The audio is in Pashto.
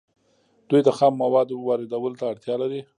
دوی د خامو موادو واردولو ته اړتیا لري